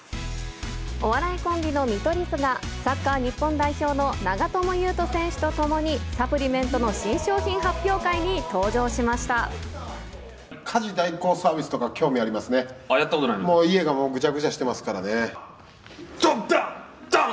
お笑いコンビの見取り図が、サッカー日本代表の長友佑都選手とともにサプリメントの新商品発家事代行サービスとか興味あやったことあるん？